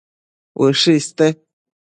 Ushë iste